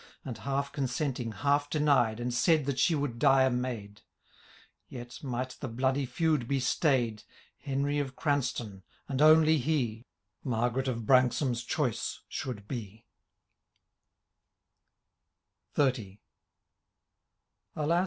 And, half consenting, half denied. And said that she would die a maid ;— Yet, might the bloody feud be stayed, Henry of Cranstoun, and only he, Maigaret of Branksome^s choice should he, XXX. Alas